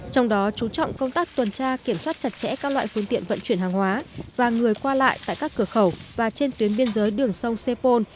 trong đó chú trọng công tác tuần tra kiểm soát chặt chẽ các loại phương tiện vận chuyển hàng hóa và người qua lại tại các cửa khẩu và trên tuyến biên giới đường sông sepol